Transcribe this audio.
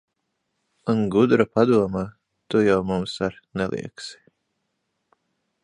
Un gudra padoma tu jau mums ar neliegsi.